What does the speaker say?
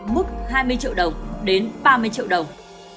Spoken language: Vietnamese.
mức hai mươi triệu đồng đến ba mươi triệu đồng